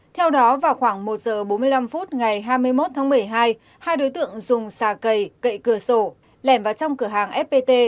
theo đó vào khoảng một giờ bốn mươi năm phút ngày hai mươi một tháng một mươi hai hai đối tượng dùng xà cầy cậy cửa sổ lẻm vào trong cửa hàng fpt